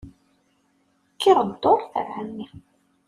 Kkiɣ dduṛt ɣer ɛemmi.